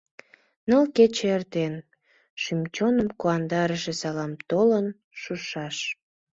Ныл кече эртен — шӱм-чоным куандарыше салам толын шушаш.